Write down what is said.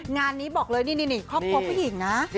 งานนี้บอกเลยนี่ครอบครัวผู้หญิงนะ